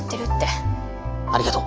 ありがとう。